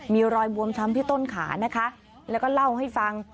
มีรอยบวมช้ำที่ต้นขานะคะแล้วก็เล่าให้ฟัง